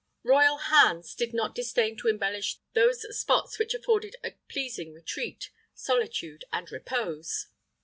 [IX 4] Royal hands did not disdain to embellish those spots which afforded a pleasing retreat, solitude, and repose.